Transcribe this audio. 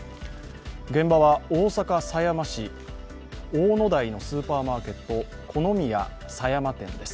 現場は大阪狭山市大野台のスーパーマーケットコノミヤ狭山店です。